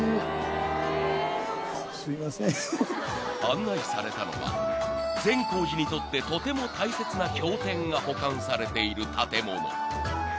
［案内されたのは善光寺にとってとても大切な経典が保管されている建物］